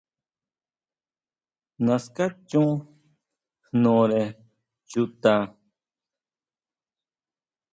Naská chon jnore chuta.